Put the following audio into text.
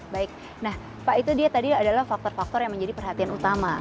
baik nah pak itu dia tadi adalah faktor faktor yang menjadi perhatian utama